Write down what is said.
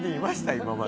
今まで。